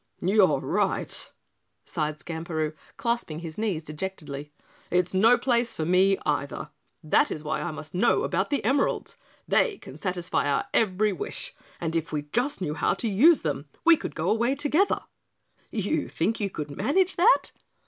"You're right," sighed Skamperoo, clasping his knees dejectedly. "It's no place for me, either. That is why I must know about the emeralds. They can satisfy our every wish, and if we just knew how to use them we could go away together." "You think you could manage that!"